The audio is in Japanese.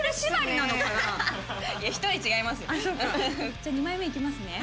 じゃあ２枚目いきますね。